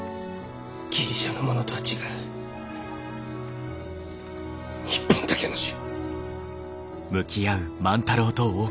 ギリシャのものとは違う日本だけの種！